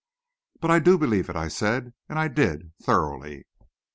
"But I do believe it," I said, and I did, thoroughly.